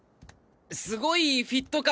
すごいフィット感ですね